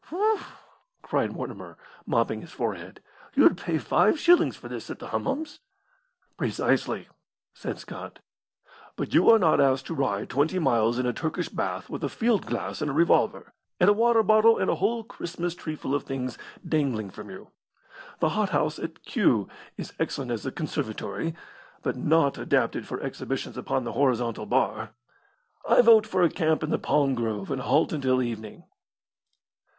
"Whew!" cried Mortimer, mopping his forehead, "you'd pay five shillings for this at the hummums." "Precisely," said Scott. "But you are not asked to ride twenty miles in a Turkish bath with a field glass and a revolver, and a water bottle and a whole Christmas treeful of things dangling from you. The hot house at Kew is excellent as a conservatory, but not adapted for exhibitions upon the horizontal bar. I vote for a camp in the palm grove and a halt until evening."